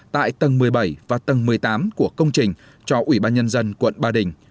tại tầng một mươi bảy và tầng một mươi tám của công trình cho ubnd tp hà nội